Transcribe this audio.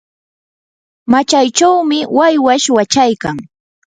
machaychawmi waywash wachaykan.